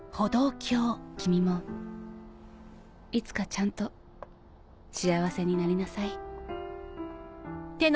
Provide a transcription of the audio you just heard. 君もいつかちゃんと幸せになりなさい。